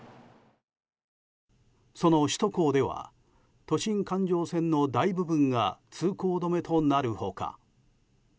その首都高では都心環状線の大部分が通行止めとなる他。